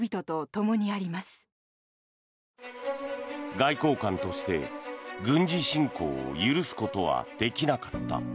外交官として、軍事侵攻を許すことはできなかった。